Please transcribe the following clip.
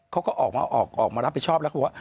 เขาก็ออกมารับผิดชอบแล้วเขาว่า